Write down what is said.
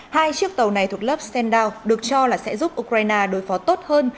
hai chiếc tàu này thuộc lớp standound được cho là sẽ giúp ukraine đối phó tốt hơn